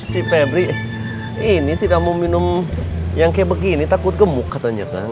si pebri ini tidak mau minum yang kayak begini takut gemuk katanya